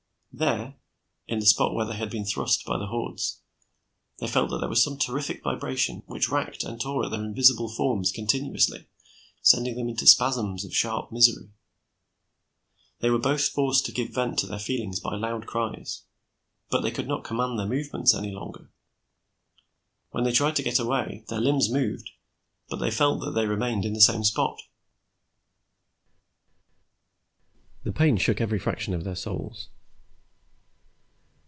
There, in the spot where they had been thrust by the hordes, they felt that there was some terrific vibration which racked and tore at their invisible forms continuously, sending them into spasms of sharp misery. They both were forced to give vent to their feelings by loud cries. But they could not command their movements any longer. When they tried to get away, their limbs moved but they felt that they remained in the same spot. The pain shook every fraction of their souls.